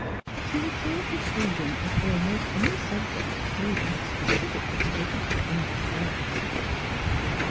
She would talk with freedom of almost any subject save that specifically forbidden to English girls.